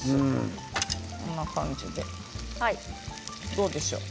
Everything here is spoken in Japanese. どうでしょう？